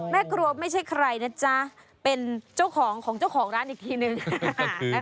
แม่ครัวไม่ใช่ใครนะจ๊ะเป็นเจ้าของของเจ้าของร้านอีกทีนึง